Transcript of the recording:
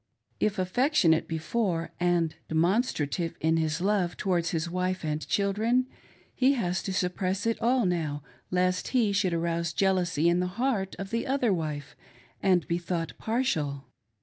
If affectionate before and demonstrative in his love towards SECRET SORROWS 477 his wife and children, he has to suppress it all now, lest he should arouse jealousy in the heart of the other wife and be thought partial.